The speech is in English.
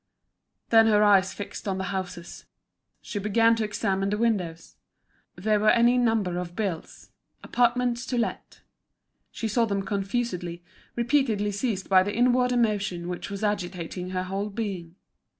Then her eyes fixed on the houses, she began to examine the windows. There were any number of bills, "Apartments to Let." She saw them confusedly, repeatedly seized by the inward emotion which was agitating her whole being.